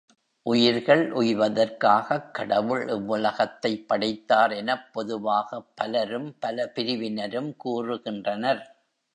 உயிர்கள் உய்வதற்காகக் கடவுள் இவ்வுலகத்தைப் படைத்தார் எனப் பொதுவாகப் பலரும் பல பிரிவினரும் கூறுகின்றனர்.